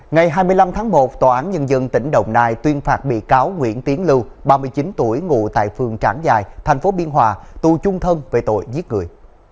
ngày hai mươi năm tháng một tòa án nhân dân tỉnh đồng nai tuyên phạt bị cáo nguyễn tiến lưu ba mươi chín tuổi ngụ tại phường trảng giải thành phố biên hòa tù trung thân về tội giết người